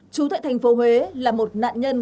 chú tại thành phố huế là một nạn nhân